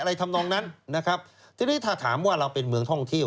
ทำนองนั้นนะครับทีนี้ถ้าถามว่าเราเป็นเมืองท่องเที่ยว